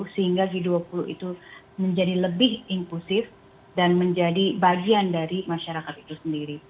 sehingga g dua puluh itu menjadi lebih inklusif dan menjadi bagian dari masyarakat itu sendiri